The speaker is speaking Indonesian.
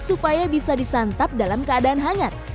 supaya bisa disantap dalam keadaan hangat